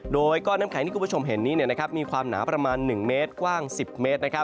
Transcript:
โดยก้อนน้ำแข็งที่คุณผู้ชมเห็นนี้มีความหนาประมาณ๑เมตรกว้าง๑๐เมตร